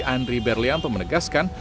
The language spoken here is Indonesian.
andri berlianto menegaskan